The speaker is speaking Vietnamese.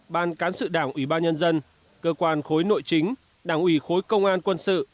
ban cán sự đảng ủy ban nhân dân cơ quan khối nội chính đảng ủy khối công an quân sự